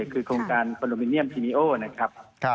คือโครงการประโลมิเนียมซีมีโอนะครับ